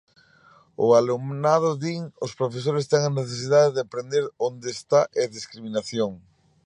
O alumnado, din os profesores, ten a necesidade de aprender onde está a discriminación.